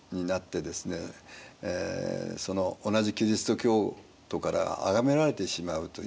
その同じキリスト教徒からあがめられてしまうという。